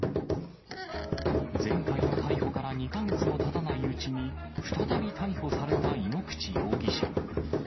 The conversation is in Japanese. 前回の逮捕から２か月もたたないうちに、再び逮捕された井ノ口容疑者。